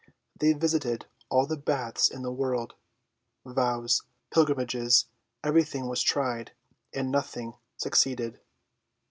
They visited all the baths in the world. Vows, pilgrimages, everything was tried, and nothing succeeded.